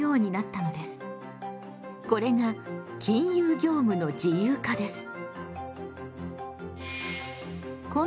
これが金融業務の自由化です。